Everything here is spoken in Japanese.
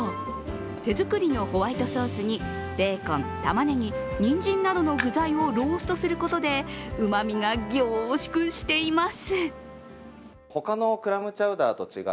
手作りのホワイトソースにベーコン、たまねぎ、にんじんなどの具材をローストすることで旨みが凝縮しています。